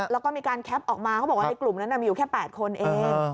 แล้วก็มีการแคปออกมาเขาบอกว่าในกลุ่มนั้นมีอยู่แค่๘คนเอง